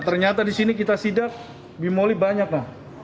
ternyata disini kita sidak bimoli banyak lah